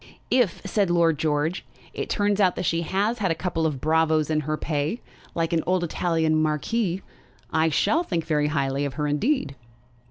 "If," said Lord George, "it turns out that she has had a couple of bravos in her pay, like an old Italian marquis, I shall think very highly of her indeed."